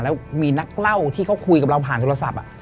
แล้วมีนักเล่าที่เขาคุยกับเราผ่านโทรศัพท์